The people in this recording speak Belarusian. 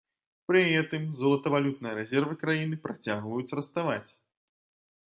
Пры гэтым золатавалютныя рэзервы краіны працягваюць раставаць.